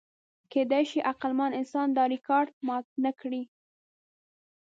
کېدی شي عقلمن انسان دا ریکارډ مات نهکړي.